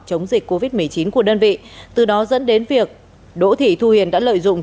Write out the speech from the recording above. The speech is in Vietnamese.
chống dịch covid một mươi chín của đơn vị từ đó dẫn đến việc đỗ thị thu hiền đã lợi dụng